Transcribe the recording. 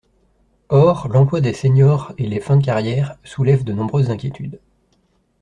Or, l’emploi des seniors et les fins de carrière soulèvent de nombreuses inquiétudes.